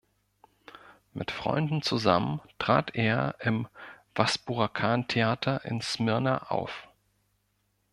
Mit Freunden zusammen trat er im Vaspurakan-Theater in Smyrna auf.